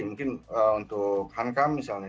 mungkin untuk hankam misalnya